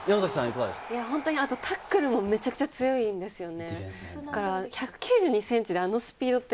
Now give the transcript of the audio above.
タックルもめちゃくちゃ強いんですよね。